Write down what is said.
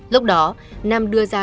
lúc đó nam đưa ra